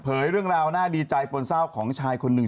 เรื่องราวน่าดีใจปนเศร้าของชายคนหนึ่ง